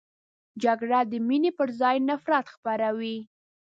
جګړه د مینې پر ځای نفرت خپروي